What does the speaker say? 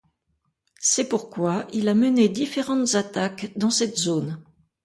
C'est pourquoi il a mené différentes attaques dans cette zone.